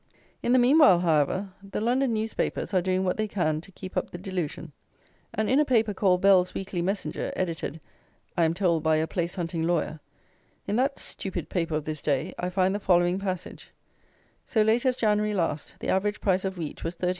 In the meanwhile, however, the London newspapers are doing what they can to keep up the delusion; and in a paper called Bell's Weekly Messenger, edited, I am told, by a place hunting lawyer; in that stupid paper of this day I find the following passage: "So late as January last, the average price of wheat was 39_s.